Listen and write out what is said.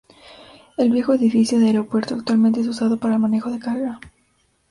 El viejo edificio de aeropuerto actualmente es usado para el manejo de carga.